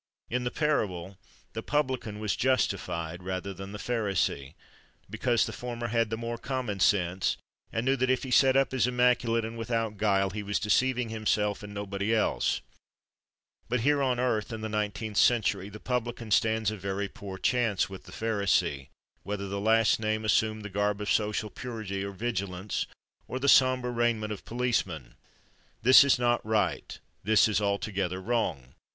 In the parable, the Publican was "justified" rather than the Pharisee, because the former had the more common sense, and knew that if he set up as immaculate and without guile he was deceiving himself and nobody else. But here on earth, in the nineteenth century, the Publican stands a very poor chance with the Pharisee, whether the last named assume the garb of "Social Purity," or "Vigilance," or the sombre raiment of the policeman. This is not right. This is altogether wrong.